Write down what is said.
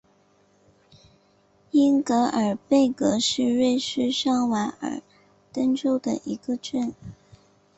恩格尔贝格是瑞士上瓦尔登州的一个镇。